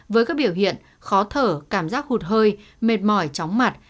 với các biểu hiện khó thở cảm giác hụt hơi mệt mỏi chóng mặt